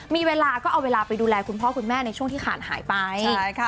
มีเวลาก็เอาเวลาไปดูแลคุณพ่อคุณแม่ในช่วงที่ขาดหายไปใช่ค่ะ